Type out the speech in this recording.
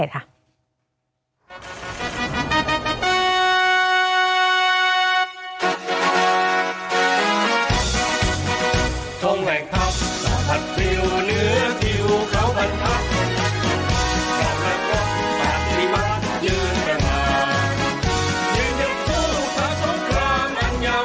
เอ้ยสะท้ามพอใจให้ทุกคนยอมกำลัง